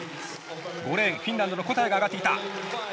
５レーンフィンランドのコタヤが上がってきた。